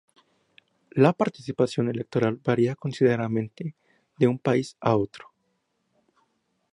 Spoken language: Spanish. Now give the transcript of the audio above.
La participación electoral varía considerablemente de un país a otro.